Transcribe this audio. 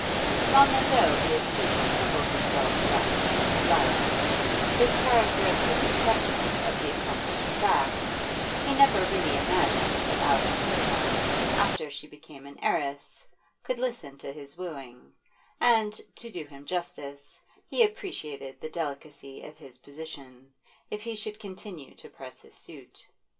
Long ago he had ceased to trouble himself about his first love; with characteristic acceptance of the accomplished fact, he never really imagined that Alice Mutimer, after she became an heiress, could listen to his wooing, and, to do him justice, he appreciated the delicacy of his position, if he should continue to press his suit.